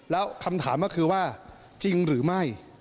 แล้วคำถามก็คือว่าจริงหรือไม่